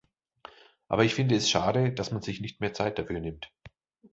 Aber ich finde es schade, dass man sich nicht mehr Zeit dafür nimmt.